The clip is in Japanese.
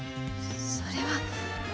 それは。